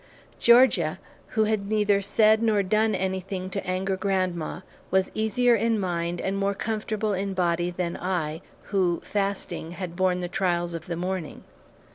Georgia, who had neither said nor done anything to anger grandma, was easier in mind and more comfortable in body, than I, who, fasting, had borne the trials of the morning.